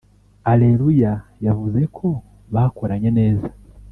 Areruya yavuze ko bakoranye neza